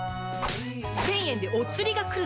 １０００円でお釣りがくるのよ！